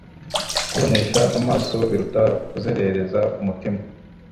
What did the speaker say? Kubonesha amaso biruta kuzerereza umutima